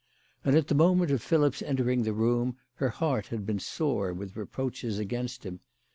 And at the moment of Philip's entering the room her heart had been sore with reproaches against him.